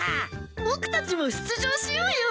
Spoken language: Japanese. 僕たちも出場しようよ。